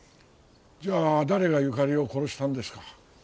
じゃあ誰がゆかりを殺したんですか？